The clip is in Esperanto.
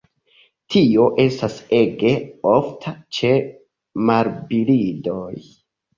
Tio estas ege ofta ĉe marbirdoj.